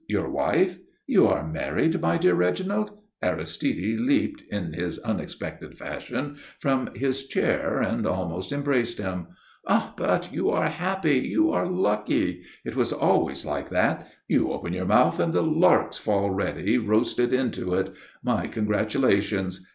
Your wife? You are married, my dear Reginald?" Aristide leaped, in his unexpected fashion, from his chair and almost embraced him. "Ah, but you are happy, you are lucky. It was always like that. You open your mouth and the larks fall ready roasted into it! My congratulations.